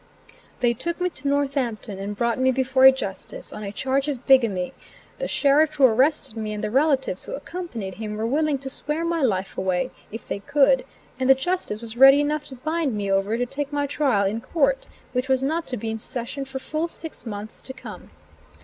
They took me to Northampton and brought me before a Justice, on a charge of bigamy: The sheriff who arrested me, and the relatives who accompanied him were willing to swear my life away, if they could, and the justice was ready enough to bind me over to take my trial in court, which was not to be in session for full six months to come.